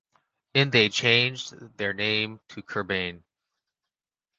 In they changed their name to Kurban.